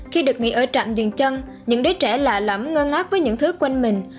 khi được nghỉ ở trạm diện chân những đứa trẻ lạ lắm ngơ ngác với những thứ quanh mình